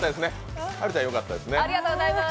はるちゃんよかったですね。